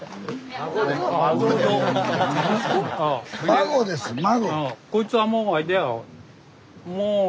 孫です孫。